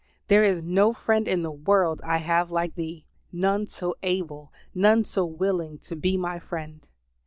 There is no friend in the world I have like Thee; none so able, none so willing to be my friend.